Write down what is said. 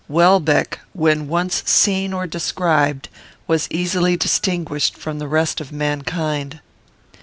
Welbeck, when once seen or described, was easily distinguished from the rest of mankind.